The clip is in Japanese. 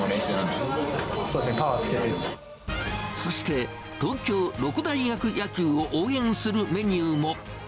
そして、東京六大学野球を応援するメニューも。